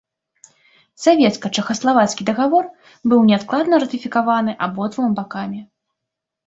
Савецка-чэхаславацкі дагавор быў неадкладна ратыфікаваны абодвума бакамі.